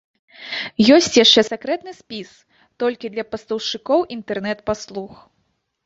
Ёсць яшчэ сакрэтны спіс, толькі для пастаўшчыкоў інтэрнэт-паслуг.